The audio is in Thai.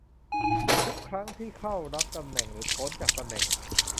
ทุกครั้งที่เข้ารับตำแหน่งหรือพ้นจากตำแหน่ง